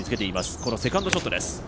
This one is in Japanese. このセカンドショットです。